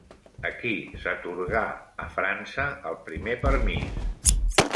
A qui s'atorgà a França el primer permís?